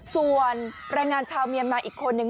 ส่วนแรงงานชาวเมียนมาอีกคนนึง